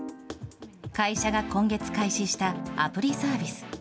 会社が今月開始したアプリサービス。